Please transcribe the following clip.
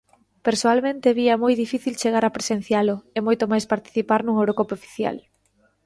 Persoalmente vía moi difícil chegar a presencialo, e moito máis participar nunha Eurocopa oficial.